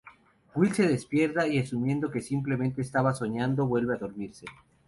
Will se despierta y asumiendo que simplemente estaba soñando, vuelve a dormirse.